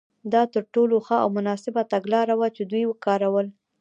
دا تر ټولو ښه او مناسبه تګلاره وه چې دوی وکارول.